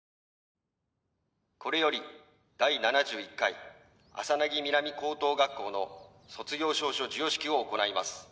これより第７１回朝凪南高等学校の卒業証書授与式を行います。